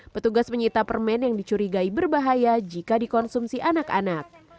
petugas menyita permen yang dicurigai berbahaya jika dikonsumsi anak anak